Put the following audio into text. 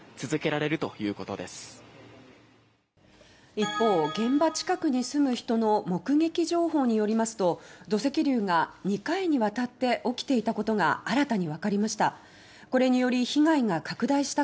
一方、現場近くに住む人の目撃情報によりますと土石流が２回にわたって起きていたことが新たにわかりました。